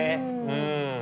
うん。